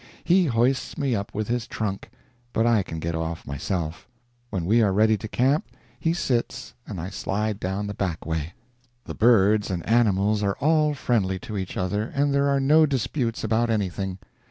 He hoists me up with his trunk, but I can get off myself; when we are ready to camp, he sits and I slide down the back way. The birds and animals are all friendly to each other, and there are no disputes about anything.